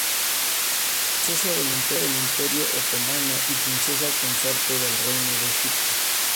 Princesa del Imperio otomano y princesa consorte del Reino de Egipto.